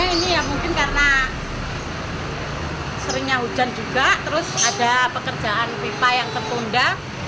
ini ya mungkin karena seringnya hujan juga terus ada pekerjaan pipa yang tertunda